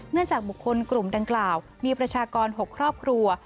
จากบุคคลกลุ่มดังกล่าวมีประชากร๖ครอบครัว